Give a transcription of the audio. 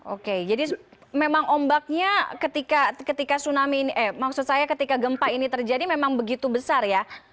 oke jadi memang ombaknya ketika tsunami ini eh maksud saya ketika gempa ini terjadi memang begitu besar ya